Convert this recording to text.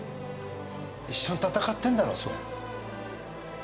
一緒に戦ってんだろと。